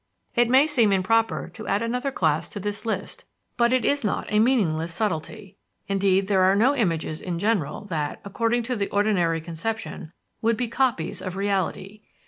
It may seem improper to add another class to this list, but it is not a meaningless subtlety. Indeed, there are no images in general that, according to the ordinary conception, would be copies of reality.